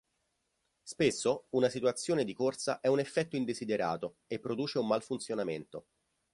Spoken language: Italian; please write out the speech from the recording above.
Spesso, una situazione di corsa è un effetto indesiderato e produce un malfunzionamento.